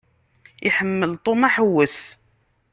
Iḥemmel Tom aḥewwes.